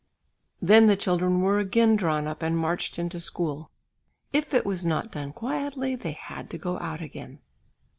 Then the children were again drawn up and marched into school. If it was not done quietly, they had to go out again.